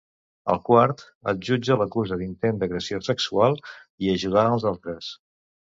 Al quart, el jutge l'acusa d'intent d'agressió sexual i ajudar els altres.